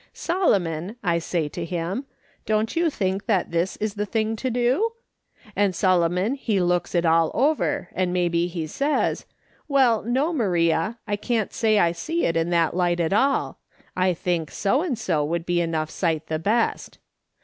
' Solomon,' I say to him, ' don't you think that is the thing to do ?' and Solomon he looks it all over, and maybe he says, ' Well, no, Maria, I can't say I see it in that light at all ; I think so and so would be enough sight the best.'